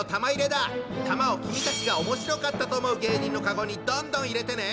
玉を君たちがおもしろかったと思う芸人のカゴにどんどん入れてね！